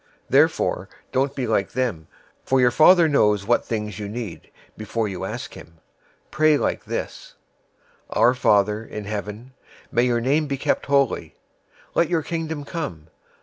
006:008 Therefore don't be like them, for your Father knows what things you need, before you ask him. 006:009 Pray like this: 'Our Father in heaven, may your name be kept holy. 006:010 Let your Kingdom come.